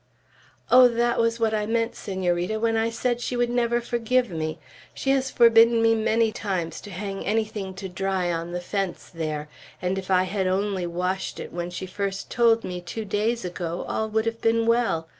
"Oh, that was what I meant, Senorita, when I said she never would forgive me. She has forbidden me many times to hang anything to dry on the fence there; and if I had only washed it when she first told me, two days ago, all would have been well.